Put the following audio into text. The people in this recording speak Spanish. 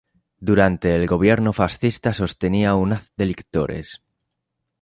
Durante el gobierno fascista sostenía un haz de lictores.